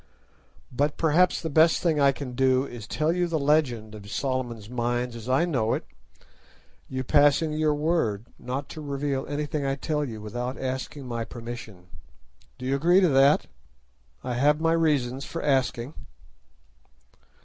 But perhaps the best thing I can do is to tell you the legend of Solomon's Mines as I know it, you passing your word not to reveal anything I tell you without my permission. Do you agree to that? I have my reasons for asking."